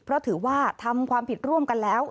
เพราะถือว่าทำความผิดร่วมกันแล้ว